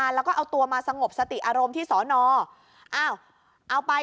แล้วก็เอาตัวมาสงบสติอารมณ์ที่สอนออ้าวเอาไป